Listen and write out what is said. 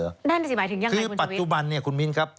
นั่นสิหมายถึงยังไงคือปัจจุบันเนี่ยคุณมิ้นครับ